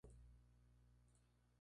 El papa impone su uso exclusivo.